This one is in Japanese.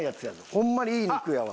ホンマにいい肉やわ。